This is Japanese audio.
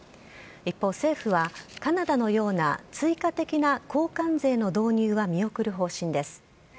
一方、政府はカナダのような追加的な高関税の導入は見送る方針です。